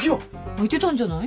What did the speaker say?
開いてたんじゃない？